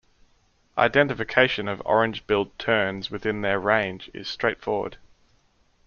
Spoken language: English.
Identification of orange-billed terns within their range is straightforward.